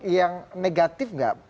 yang negatif gak